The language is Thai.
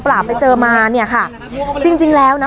สลับผัดเปลี่ยนกันงมค้นหาต่อเนื่อง๑๐ชั่วโมงด้วยกัน